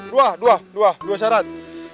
dua dua dua syarat